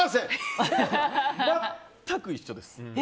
全く一緒です。